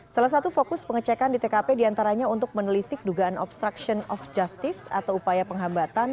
salah satu fokus pengecekan di tkp diantaranya untuk menelisik dugaan obstruction of justice atau upaya penghambatan